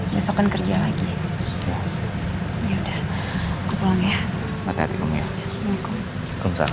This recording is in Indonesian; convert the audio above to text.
besok kan kerja lagi ya udah pulang ya hati hati ya assalamualaikum waalaikumsalam